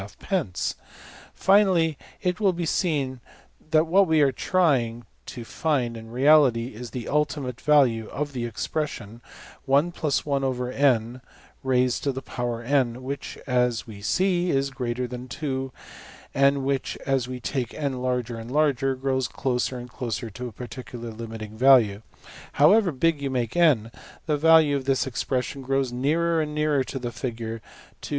} Finally, it will be seen that what we are trying to find is in reality the ultimate value of the expression $\left(1 + \dfrac{n}\right)^n$, which, as we see, is greater than~$2$; and which, as we take $n$~larger and larger, grows closer and closer to a particular limiting value. However big you make~$n$, the value of this expression grows nearer and nearer to the figure \[ 2.